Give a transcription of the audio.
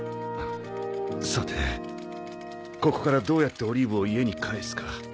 さてここからどうやってオリーブを家に帰すか。